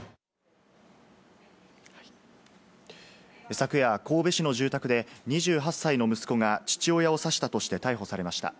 昨夜、神戸市の住宅で２８歳の息子が父親を刺したとして逮捕されました。